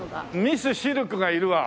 ミス・シルクがいるわ。